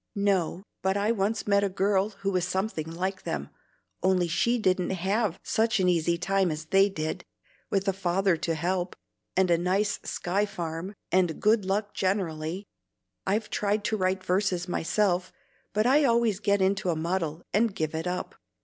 "No, but I once met a girl who was something like them, only she didn't have such an easy time as they did, with a father to help, and a nice Sky farm, and good luck generally. I've tried to write verses myself, but I always get into a muddle, and give it up.